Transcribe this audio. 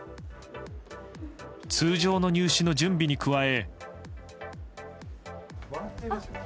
通常の入試の準備に加え。